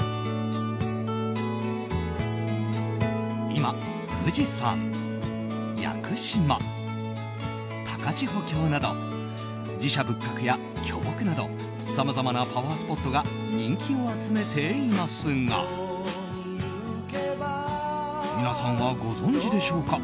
今、富士山、屋久島高千穂峡など寺社仏閣や巨木などさまざまなパワースポットが人気を集めていますが皆さんはご存じでしょうか。